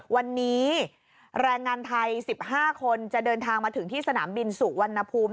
วันนี้แรงงานไทย๑๕คนจะเดินทางมาถึงที่สนามบินสุวรรณภูมิ